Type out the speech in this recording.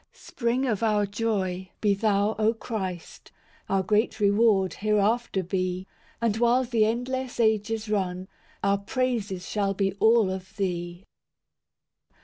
V Spring of our joy, be Thou, O Christ; Our great reward, hereafter be; And while the endless ages run, Our praises shall be all of Thee.